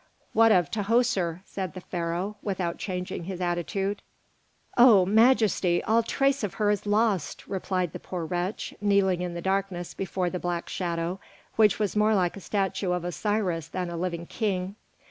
"What of Tahoser?" said the Pharaoh, without changing his attitude. "O Majesty! all trace of her is lost," replied the poor wretch, kneeling in the darkness before the black shadow, which was more like a statue of Osiris than a living king.